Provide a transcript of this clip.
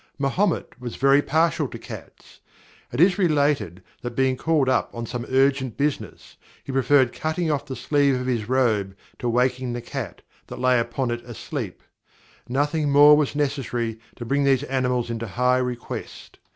Mahomet was very partial to Cats. It is related, that being called up on some urgent Business, he preferred cutting off the Sleeve of his Robe, to waking the Cat, that lay upon it asleep. Nothing more was necessary, to bring these Animals into high Request.